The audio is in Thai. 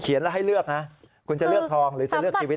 แล้วให้เลือกนะคุณจะเลือกทองหรือจะเลือกชีวิต